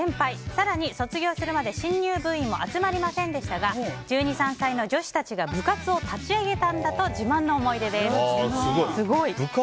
更に、卒業するまで新入部員も集まりませんでしたが１２１３歳の女子たちが部活を立ち上げたんだと自慢の思い出です。